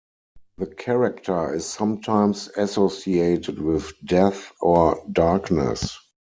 The character is sometimes associated with death or darkness.